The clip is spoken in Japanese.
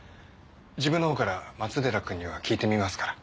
自分のほうから松寺君には聞いてみますから。